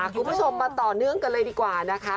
คุณผู้ชมมาต่อเนื่องกันเลยดีกว่านะคะ